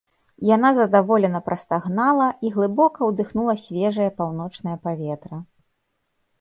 Яна задаволена прастагнала і глыбока ўдыхнула свежае паўночнае паветра